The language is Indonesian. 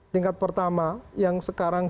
tingkat pertama yang sekarang